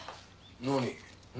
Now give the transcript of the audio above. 何？